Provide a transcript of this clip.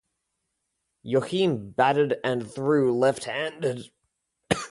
Yochim batted and threw left-handed.